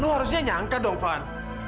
lu harusnya nyangka dong van